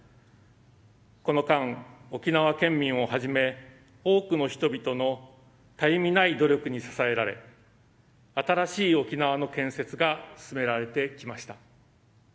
この間、沖縄県民をはじめ多くの人々のたゆみない努力に支えられ新しい沖縄の建設が進められてきました。